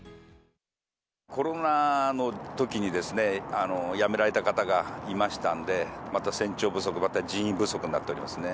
コロナのときに辞められた方がいましたんで、また船長不足、また人員不足になっておりますね。